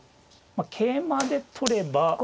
桂馬で取れば。